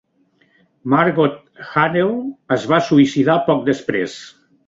Margot Hanel es va suïcidar poc després.